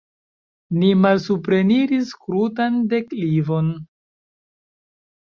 Ni malsupreniris krutan deklivon.